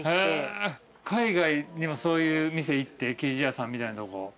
海外にもそういう店行って生地屋さんみたいなとこ。